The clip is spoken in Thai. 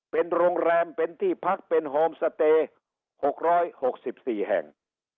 เป็นโรงแรมเป็นที่พักเป็นโฮมสเตย์หกร้อยหกสิบสี่แห่ง